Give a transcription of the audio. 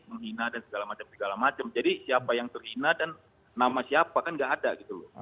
menghina dan segala macam segala macam jadi siapa yang terhina dan nama siapa kan nggak ada gitu loh